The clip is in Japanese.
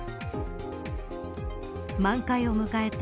満開を迎えた